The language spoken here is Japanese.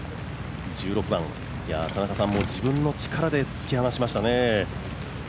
１６番、自分の力で突き放しましたね